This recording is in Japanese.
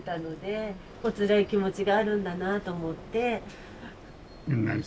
おつらい気持ちがあるんだなあと思って。